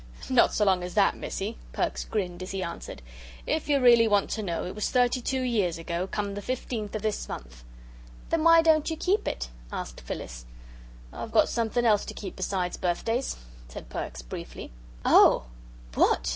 "Not so long as that, Missie," Perks grinned as he answered. "If you really want to know, it was thirty two years ago, come the fifteenth of this month." "Then why don't you keep it?" asked Phyllis. "I've got something else to keep besides birthdays," said Perks, briefly. "Oh! What?"